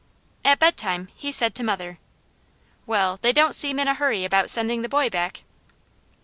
At bedtime he said to mother: "Well, they don't seem in a hurry about sending the boy back."